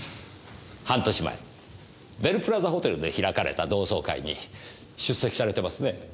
半年前ベルプラザホテルで開かれた同窓会に出席されてますね。